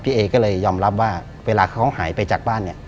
เอก็เลยยอมรับว่าเวลาเขาหายไปจากบ้านเนี่ย